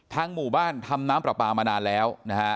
ทั้งหมู่บ้านทำน้ำปลาปลามานานแล้ว